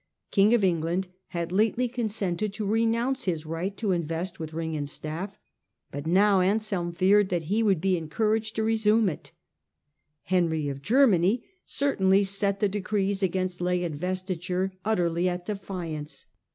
king of England, had lately consented to renounce his right to invest with the ring and staflF, but now Anselm feared that he would be encouraged to resume it. Henry of Germany certainly set the decrees against lay investiture utterly at defiance.